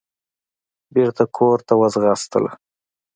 بېرته کورته وځغاستله.